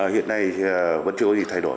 hiện nay vẫn chưa có gì thay đổi